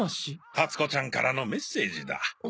樹子ちゃんからのメッセージだ。